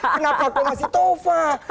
kenapa aku ngasih tova